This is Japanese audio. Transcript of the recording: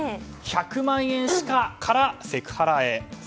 「１００万円しか」からセクハラへ。